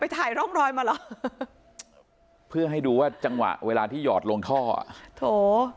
ถ่ายร่องรอยมาเหรอเพื่อให้ดูว่าจังหวะเวลาที่หยอดลงท่ออ่ะโถ